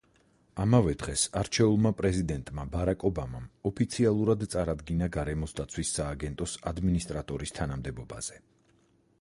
ამავე დღეს არჩეულმა პრეზიდენტმა ბარაკ ობამამ ოფიციალურად წარადგინა გარემოს დაცვის სააგენტოს ადმინისტრატორის თანამდებობაზე.